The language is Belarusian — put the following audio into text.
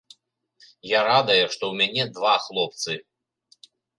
Я радая, што ў мяне два хлопцы.